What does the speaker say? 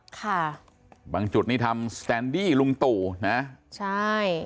ค่ะบางจุดนี่ทำสแตนดี้ลุงตู่นะใช่